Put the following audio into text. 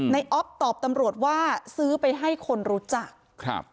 ในออฟอาฟตอบตำรวจว่าซื้อไปให้คนรู้จัก